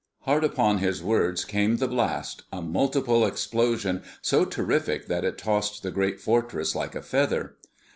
Hard upon his words came the blast—a multiple explosion so terrific that it tossed the great Fortress like a feather.